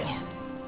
pak jalan hati hati